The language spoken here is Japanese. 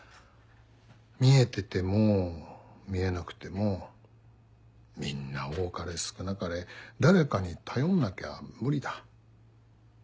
見えてても見えなくてもみんな多かれ少なかれ誰かに頼んなきゃ無理だ。